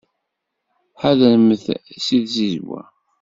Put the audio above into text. Ḥadremt seg tzizwa.